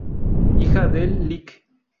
Hija del Lic.